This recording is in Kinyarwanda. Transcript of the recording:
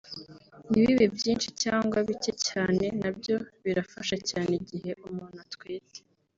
ntibibe byinshi cyangwa bicye cyane nabyo birafasha cyane igihe umuntu atwite